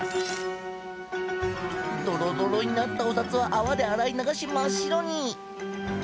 ドロドロになったお札はあわで洗いながし真っ白に。